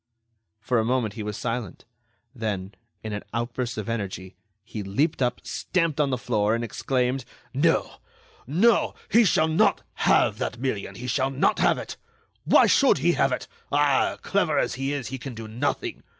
For a moment he was silent; then, in an outburst of energy, he leaped up, stamped on the floor, and exclaimed: "No, no, he shall not have that million; he shall not have it! Why should he have it? Ah! clever as he is, he can do nothing.